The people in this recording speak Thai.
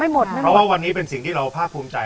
เพราะว่าวันนี้เป็นสิ่งที่เราภาคภูมิใจ